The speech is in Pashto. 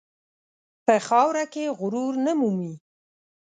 په خاوره کې غرور نه مومي.